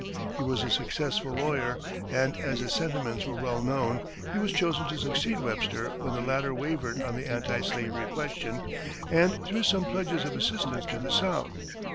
He was a successful lawyer, and as his sentiments were well known, he was chosen to succeed Webster when the latter wavered on the anti slavery question, and threw some pledges of assistance to the South.